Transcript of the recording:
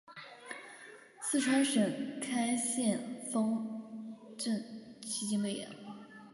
四川省开县汉丰镇西津坝人。